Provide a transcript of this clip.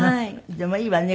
でもいいわね